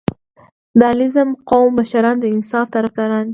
• د علیزي قوم مشران د انصاف طرفداران دي.